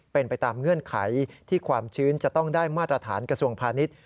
เป็นไปตามเงื่อนไขที่ความชื้นจะต้องได้มาตรฐานกระทรวงพาณิชย์